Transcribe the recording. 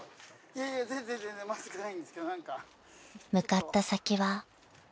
［向かった先は］